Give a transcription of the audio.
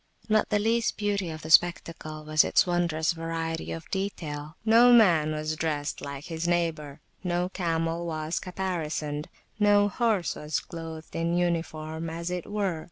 Not the least beauty of the spectacle was its wondrous variety of detail: no man was dressed like his neighbour, no camel was caparisoned, no horse was [p.66] clothed in uniform, as it were.